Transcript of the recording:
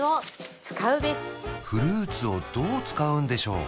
フルーツをどう使うんでしょう？